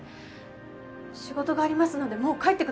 仕事がありますのでもう帰ってください。